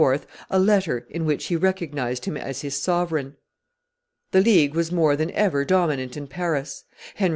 a letter in which he recognized him as his sovereign. The League was more than ever dominant in Paris; Henry IV.